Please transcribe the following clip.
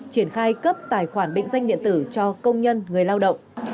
triển khai cấp tài khoản định danh điện tử cho công nhân người lao động